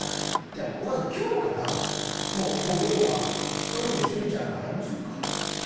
じゃあお母さん今日からお風呂は１人でシュリちゃんが洗いましょうか？